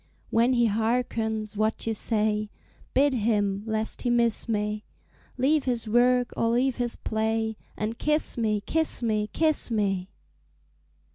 When he harkens what you say, Bid him, lest he miss me, Leave his work or leave his play, And kiss me, kiss me, kiss me!